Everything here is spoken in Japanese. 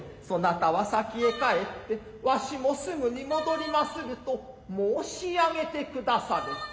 そなたは先へ帰ってわしもすぐに戻りますると申し上げて下され。